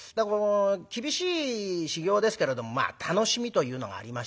厳しい修業ですけれどもまあ楽しみというのがありましてね